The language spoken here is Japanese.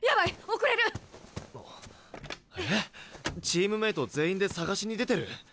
チームメート全員で捜しに出てる？